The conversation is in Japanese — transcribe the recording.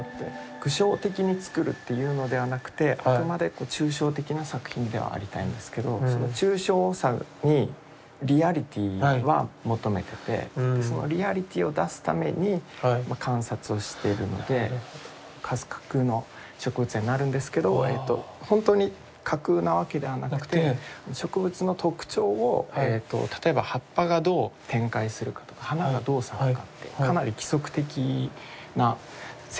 具象的に作るというのではなくてあくまでこう抽象的な作品ではありたいんですけどその抽象さにリアリティーは求めててそのリアリティーを出すために観察をしてるので架空の植物になるんですけどえとほんとに架空なわけではなくて植物の特徴を例えば葉っぱがどう展開するかとか花がどう咲くかってかなり規則的な成長のしかた。